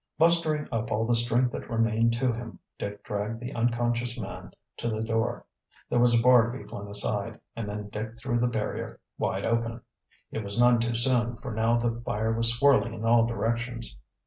Mustering up all the strength that remained to him, Dick dragged the unconscious man to the door. There was a bar to be flung aside and then Dick threw the barrier wide open. It was none too soon, for now the fire was swirling in all directions.